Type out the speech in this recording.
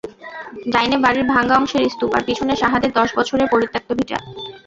ডাইনে বাড়ির ভাঙা অংশের স্তুপ, তার পিছনে সাহাদের দশবছরের পরিত্যক্ত ভিটা।